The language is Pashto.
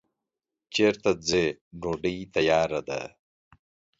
چیرته ځی ډوډی تیاره ده